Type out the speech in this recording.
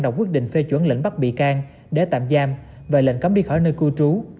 đọc quyết định phê chuẩn lệnh bắt bị can để tạm giam và lệnh cấm đi khỏi nơi cư trú